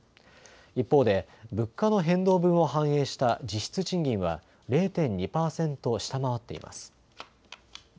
一方で物価の変動分を反映した実質賃金は０．２％下回っています。